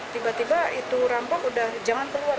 tiba tiba itu rampok udah jangan keluar